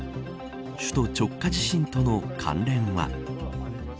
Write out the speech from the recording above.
首都直下地震との関連は。